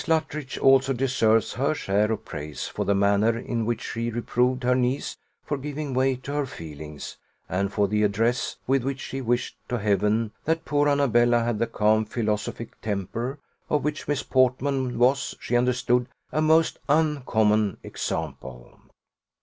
Luttridge also deserves her share of praise for the manner in which she reproved her niece for giving way to her feelings, and for the address with which she wished to Heaven that poor Annabella had the calm philosophic temper of which Miss Portman was, she understood, a most uncommon example.